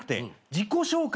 自己紹介？